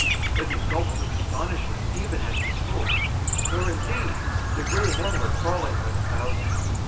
But he gulped with astonishment even as he spoke, for, indeed, the gray men were falling by the thousands.